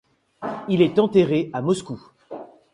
Il est enterré à Moscou.